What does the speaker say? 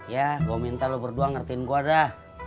ya gue minta lo berdua ngertiin gue dah